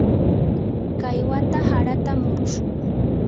kay wata harata murushun.